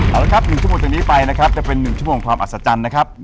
เอาละครับ๑ชั่วโมงจากนี้ไปนะครับจะเป็น๑ชั่วโมงความอัศจรรย์นะครับ